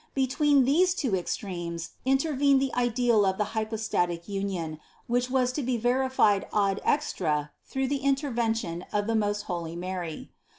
Between these two extremes intervened the ideal of the hypostatic union which was to be verified ad extra through the in tervention of most holy Mary.